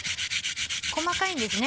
細かいんですね